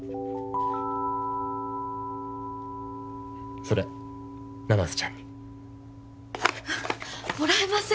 それ七瀬ちゃんにもらえません！